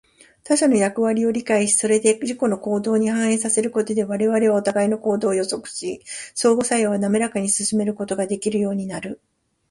他者の役割を理解し、それを自己の行動に反映させることで、我々はお互いの行動を予測し、相互作用をなめらかに進めることができるようになる。